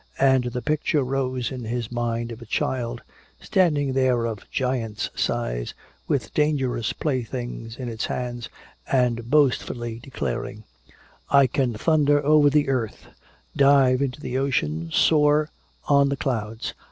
And the picture rose in his mind of a child, standing there of giant's size with dangerous playthings in its hands, and boastfully declaring, "I can thunder over the earth, dive in the ocean, soar on the clouds!